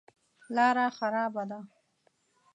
لاره خرابه ده.